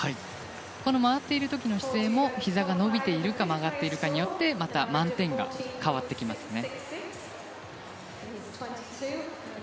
この回っている時の姿勢もひざが伸びているか曲がっているかでまた、満点が変わってきますね。